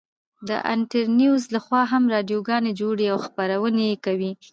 د انترنيوز لخوا هم راډيو گانې جوړې او خپرونې كوي.